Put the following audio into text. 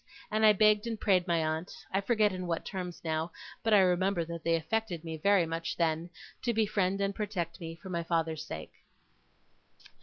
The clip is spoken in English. And I begged and prayed my aunt I forget in what terms now, but I remember that they affected me very much then to befriend and protect me, for my father's sake.